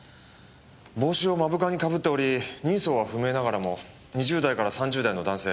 帽子を目深にかぶっており人相は不明ながらも２０代から３０代の男性。